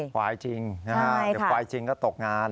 ควายจริงควายจริงก็ตกงาน